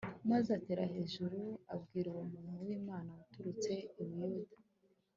maze Atera hejuru abwira uwo muntu wImana waturutse i Buyuda